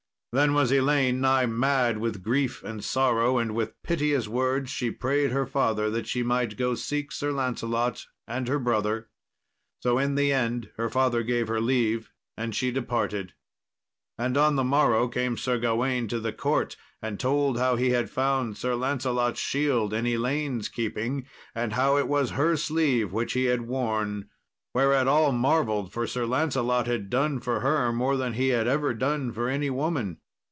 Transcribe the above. Then was Elaine nigh mad with grief and sorrow, and with piteous words she prayed her father that she might go seek Sir Lancelot and her brother. So in the end her father gave her leave, and she departed. And on the morrow came Sir Gawain to the court, and told how he had found Sir Lancelot's shield in Elaine's keeping, and how it was her sleeve which he had worn; whereat all marvelled, for Sir Lancelot had done for her more than he had ever done for any woman.